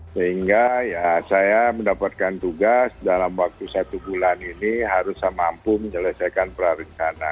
sehingga saya mendapatkan tugas dalam waktu satu bulan ini harus saya mampu menyelesaikan peraruh istana